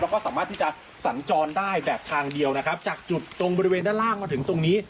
แล้วก็สามารถที่จะสัญจรได้แบบทางเดียวนะครับจากจุดตรงบริเวณด้านล่างมาถึงตรงนี้